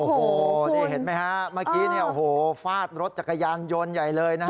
โอ้โหนี่เห็นไหมฮะเมื่อกี้เนี่ยโอ้โหฟาดรถจักรยานยนต์ใหญ่เลยนะฮะ